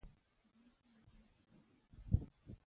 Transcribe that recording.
زړه ټولو وفادار ملګری دی.